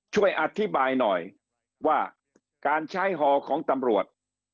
ช่วยอธิบายหน่อยว่าการใช้ฮอของตำรวจ